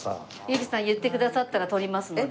由紀さん言ってくださったら取りますので。